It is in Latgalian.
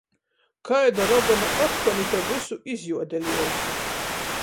Kaida rogona otkon ite vysu izjuodeliejuse?